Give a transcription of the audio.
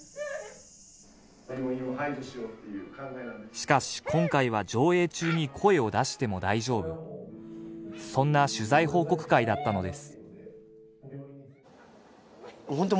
しかし今回は上映中に声を出しても大丈夫そんな取材報告会だったのですホント